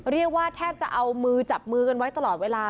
เรียกว่าแทบจะเอามือจับมือกันไว้ตลอดเวลา